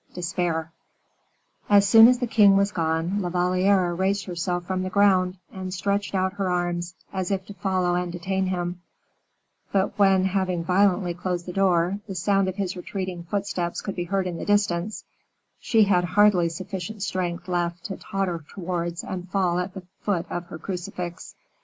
Despair. As soon as the king was gone La Valliere raised herself from the ground, and stretched out her arms, as if to follow and detain him, but when, having violently closed the door, the sound of his retreating footsteps could be heard in the distance, she had hardly sufficient strength left to totter towards and fall at the foot of her crucifix.